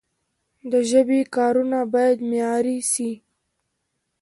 د ژبي کارونه باید معیاري سی.